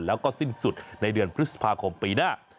แล้วก็สิ้นสุดในเดือนพฤษภาคมปีหน้า